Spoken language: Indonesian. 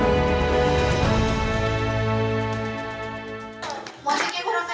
kampung dongeng indonesia